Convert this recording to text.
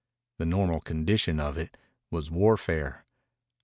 The normal condition of it was warfare.